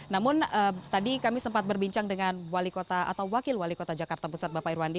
namun tadi kami sempat berbincang dengan wakil wali kota jakarta pusat bapak irwandi